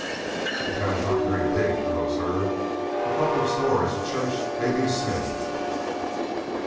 "The town's not very big," Drew observed. "A couple of stores, a church, maybe a smithy...."